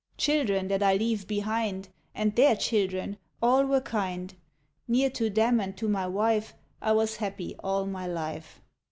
Children that I leave behind, And their children, all were kind ; Near to them and to my wife, I was happy all my life.